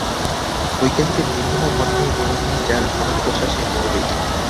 বৈজ্ঞানিকের নির্মোহ মন নিয়ে মেনে নিই যার মরণদশা সে মরবেই।